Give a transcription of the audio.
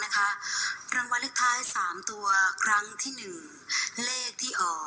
คราวถูก